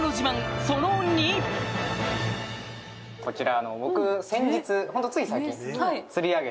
こちら。